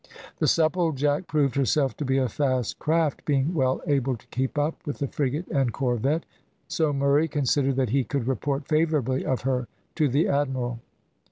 The Supplejack proved herself to be a fast craft, being well able to keep up with the frigate and corvette, so Murray considered that he could report favourably of her to the admiral.